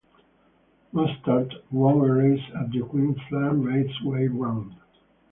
Mostert won a race at the Queensland Raceway round.